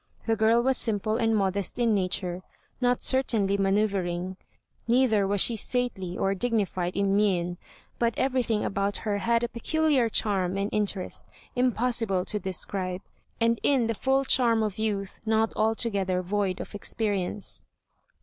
The girl was simple and modest in nature, not certainly manoeuvring, neither was she stately or dignified in mien, but everything about her had a peculiar charm and interest, impossible to describe, and in the full charm of youth not altogether void of experience.